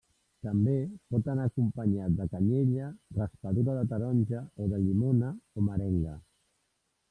També pot anar acompanyat de canyella, raspadura de taronja o de llimona, o merenga.